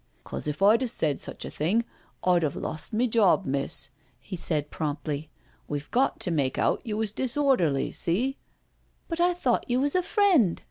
" 'Cause, if I'd said such a thing I'd 'ave lost my job, miss," he said promptly. " We've got to make out you was disorderly, see." " But I thought you was a friend?"